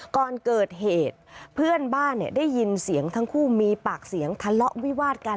ก่อนเกิดเหตุเพื่อนบ้านได้ยินเสียงทั้งคู่มีปากเสียงทะเลาะวิวาดกัน